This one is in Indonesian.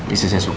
istri saya suka